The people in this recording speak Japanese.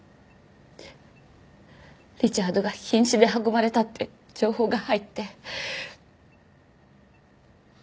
リチャードが瀕死で運ばれたって情報が入って。